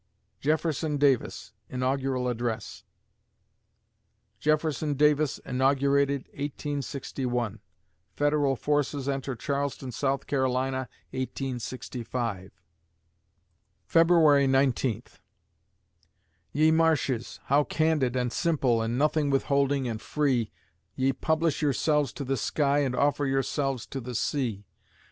JEFFERSON DAVIS (Inaugural Address) Jefferson Davis inaugurated, 1861 Federal forces enter Charleston, S. C., 1865 February Nineteenth Ye marshes, how candid and simple and nothing withholding and free Ye publish yourselves to the sky and offer yourselves to the sea!